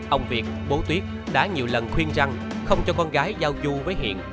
ông việt bố tuyết đã nhiều lần khuyên rằng không cho con gái giao du với hiện